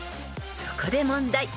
［そこで問題］